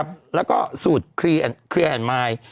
นี่แล้วก็สูตรเคลียร์ทันไมล์